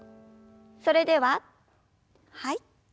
それでははい。